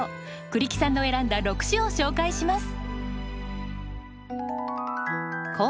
栗木さんの選んだ６首を紹介します。